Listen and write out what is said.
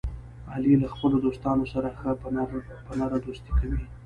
علي له خپلو دوستانو سره ښه په نره دوستي کوي.